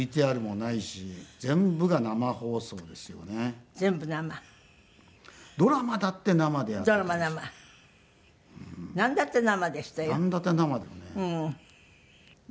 なんだって生だよね。